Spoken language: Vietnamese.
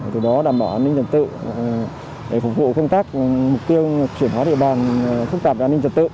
từ đó đảm bảo an ninh trật tự để phục vụ công tác mục tiêu chuyển hóa địa bàn phức tạp về an ninh trật tự